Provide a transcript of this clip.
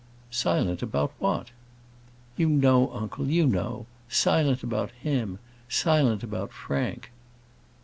"Silent about what?" "You know, uncle, you know; silent about him; silent about Frank."